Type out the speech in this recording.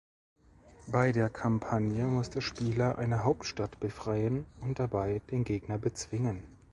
Bei der Kampagne muss der Spieler eine Hauptstadt befreien und dabei den Gegner bezwingen.